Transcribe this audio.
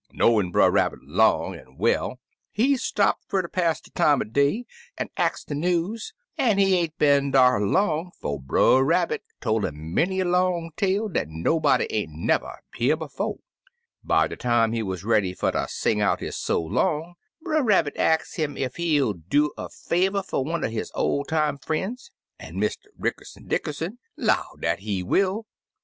Knowin' Brer Rabbit long an' well he 36 Impty Umpty stopped fer ter pass de time er day an* ax de news, an* he ain't been dar long 'fo* Brer Rabbit tol* 'im many a long tale dat nobody ain't never hear befo*. By de time he wuz ready fer ter sing out his so long Brer Rabbit ax *im ef he'll do er favor fer one er his ol' time frien's, an' Mr. Ricker son Dickerson 'low dat he will.